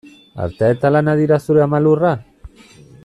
Artea eta lana dira zure ama lurra?